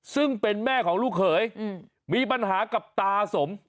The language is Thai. ซึ่งเป็นแม่ของลูกเขยมีปัญหากับตาสม